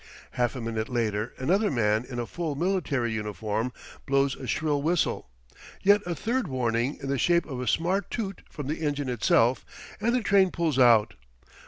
Half a minute later another man in a full military uniform blows a shrill whistle; yet a third warning, in the shape of a smart toot from the engine itself, and the train pulls out.